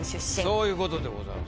そういうことでございますね。